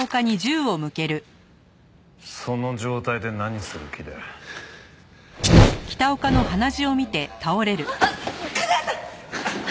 その状態で何する気だ？あっ架川さん！